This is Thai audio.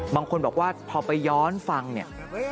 บางคนบอกว่าพอไปย้อนฟังเนี่ย